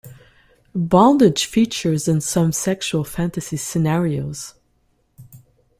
Bondage features in some sexual fantasy scenarios.